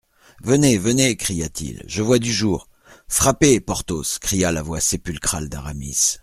Venez ! venez ! cria-t-il, je vois du jour ! Frappez, Porthos ! cria la voix sépulcrale d'Aramis.